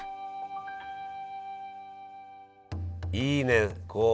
いいね。